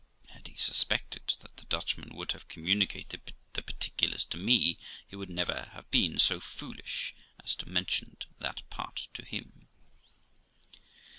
Had he suspected that the Dutchman would have communicated the particulars to me, he would never have been so foolish as to have mentioned that part to him.